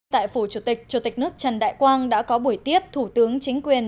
tại phủ chủ tịch chủ tịch nước trần đại quang đã có buổi tiếp thủ tướng chính quyền